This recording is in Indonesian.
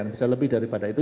bisa lebih daripada itu